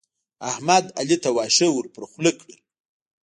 احمد؛ علي ته واښه ور پر خوله کړل.